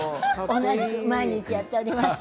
同じく毎日やっております。